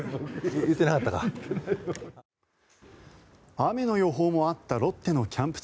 雨の予報もあったロッテのキャンプ地